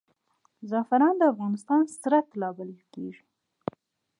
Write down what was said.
زعفران د افغانستان سره طلا بلل کیږي